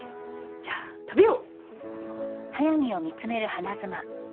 じゃあ食べよう。